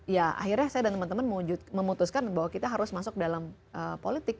ya akhirnya saya dan teman teman memutuskan bahwa kita harus masuk dalam politik